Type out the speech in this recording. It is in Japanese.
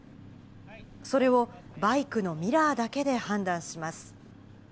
それをバイクのミラーだけで判断します。